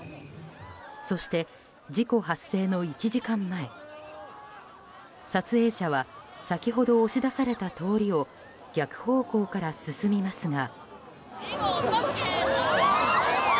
そして事故発生の１時間前撮影者は先ほど押し出された通りを逆方向から進みますが。